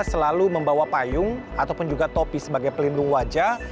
selalu membawa payung atau topi sebagai pelindung wajah